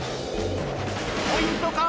ポイント